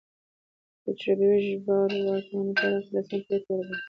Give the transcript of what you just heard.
د تجربوي ژبارواپوهنې تاریخ اتلسمې پیړۍ ته ورګرځي